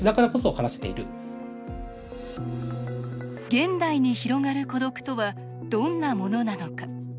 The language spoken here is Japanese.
現代に広がる孤独とはどんなものなのか。